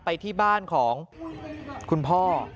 ไปที่บ้านของคุณพ่อ